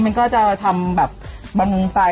มันก็จะทำแบบมามวงไทน์